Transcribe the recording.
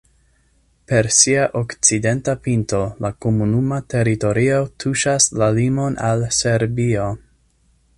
Per sia okcidenta pinto la komunuma teritorio tuŝas la limon al Serbio.